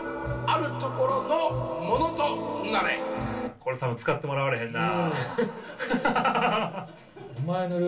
これ多分使ってもらわれへんな。